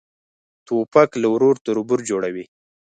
توپک له ورور تربور جوړوي.